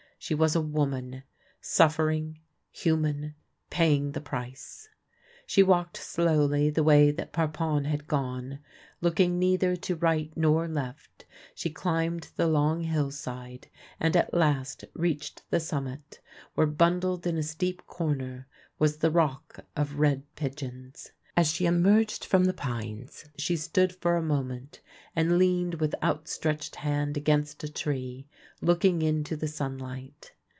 She was a woman ; suffering, human, paying the price. She walked slowly the way that Parpon had gone. Looking ncitlier to right nor left, she climbed the long hillside, and at last reached the summit, where, bundled in a steep corner, Vvas the Rock of Red Pigeons. As she emerged from the pines, she stood for a moment, and leaned with outstretched hand against a tree, look ing into the sunlight.